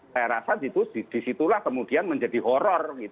saya rasa disitulah kemudian menjadi horror